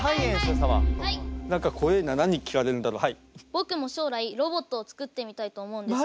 僕も将来ロボットを作ってみたいと思うんですが。